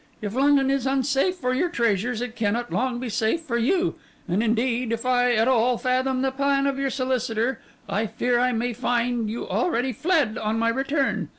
If London is unsafe for your treasures, it cannot long be safe for you; and indeed, if I at all fathom the plan of your solicitor, I fear I may find you already fled on my return.